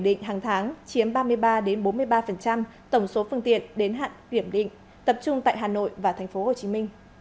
định hàng tháng chiếm ba mươi ba bốn mươi ba tổng số phương tiện đến hạn kiểm định tập trung tại hà nội và tp hcm